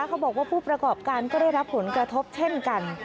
เขาบอกว่าผู้ประกอบการก็ได้รับผลกระทบเช่นกัน